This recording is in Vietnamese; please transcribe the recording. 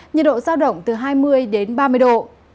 nhiệt độ từ hai mươi đến ba mươi độ